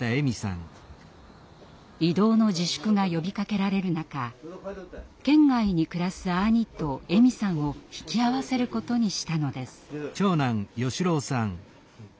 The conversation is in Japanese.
移動の自粛が呼びかけられる中県外に暮らす兄とエミさんを引き合わせることにしたのです。